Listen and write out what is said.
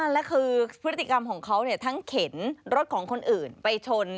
และคือพฤติกรรมของเขาทั้งเข็นรถของคนอื่นไปชน